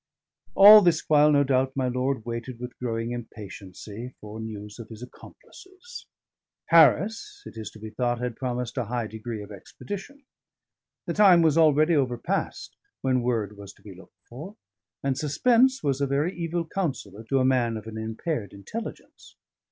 All this while, no doubt, my lord waited with growing impatiency for news of his accomplices. Harris, it is to be thought, had promised a high degree of expedition; the time was already overpast when word was to be looked for; and suspense was a very evil counsellor to a man of an impaired intelligence.